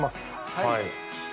はい。